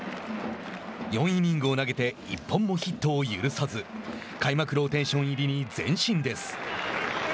４イニングスを投げて１本もヒットを許さず開幕ローテーション入りに前進です。